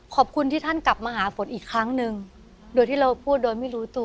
ขอบคุณที่ท่านกลับมาหาฝนอีกครั้งหนึ่งโดยที่เราพูดโดยไม่รู้ตัว